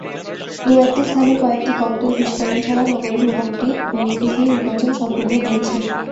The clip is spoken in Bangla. দু-একটি স্থানে কয়েকটি ককটেল বিস্ফোরণ ছাড়া নগরে মোটামুটি নির্বিঘ্নে নির্বাচন সম্পন্ন হয়েছে।